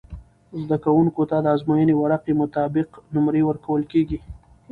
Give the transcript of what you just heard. زده کوونکو ته د ازموينې ورقعی مطابق نمرې ورکول کیږی